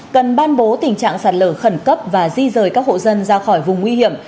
cần ban bố tình trạng sạt lở khẩn cấp và di rời các hộ dân ra khỏi vùng nguy hiểm